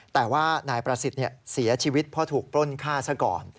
แต่ว่านายประสิทธิ์เสียชีวิตเพราะถูกปล้นฆ่าซะก่อน